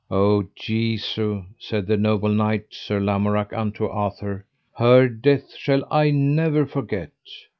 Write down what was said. O Jesu, said the noble knight Sir Lamorak unto Arthur, her death shall I never forget.